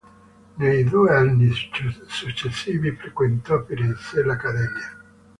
Nei due anni successivi frequentò a Firenze l'accademia.